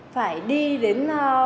phải đi đến